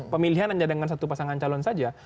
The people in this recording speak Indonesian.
pemilihan hanya dengan satu pasangan calon saja